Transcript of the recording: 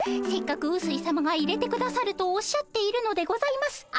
せっかくうすいさまがいれてくださるとおっしゃっているのでございます。